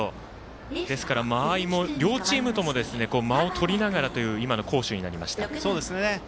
ですから、間合い両チームとも間をとりながらという今の攻守になりました。